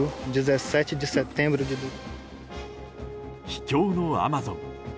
秘境のアマゾン。